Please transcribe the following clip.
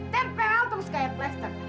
tempel terus kayak plaster